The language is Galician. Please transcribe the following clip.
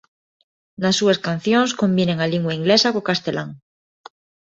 Nas súas cancións combinan a lingua inglesa co castelán.